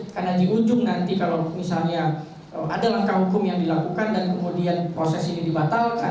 karena di ujung nanti kalau misalnya ada langkah hukum yang dilakukan dan kemudian proses ini dibatalkan